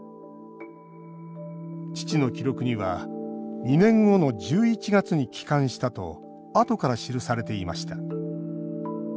父の記録には２年後の１１月に帰還したとあとから記されていました